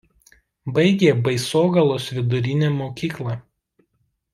Baigė Baisogalos vidurinę mokyklą.